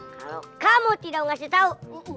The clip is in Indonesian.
kalau kamu tidak ngasih tahu